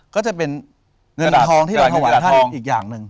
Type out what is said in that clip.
ก็จะเป็นเงินทองที่เราถวายท่านอีกอย่างหนึ่ง